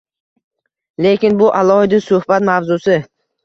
Lekin bu alohida suhbat mavzusi.